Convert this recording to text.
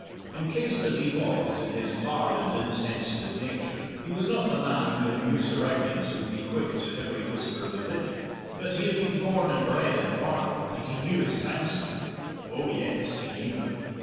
Encased as he was in his hard and insensitive nature, he was not the man who in new surroundings would be quick to every whisper of opinion. But he had been born and bred in Barbie, and he knew his townsmen oh yes, he knew them.